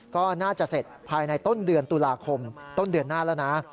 ก็น่าจะเสร็จภายในต้นเดือนตุลาคมต้นเดือนหน้าแล้วนะ